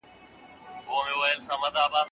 ژوند ښکلی دئ خو چي ته يې هڅه وکړې.